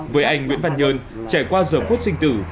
với anh nguyễn văn nhơn trải qua giờ phút sinh tử